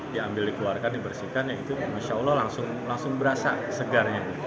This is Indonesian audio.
diambil dikeluarkan dibersihkan yaitu insya allah langsung berasa segarnya